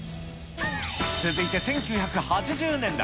続いて１９８０年代。